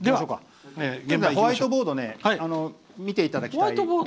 ホワイトボードを見ていただきたい。